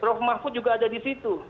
prof mahfud juga ada di situ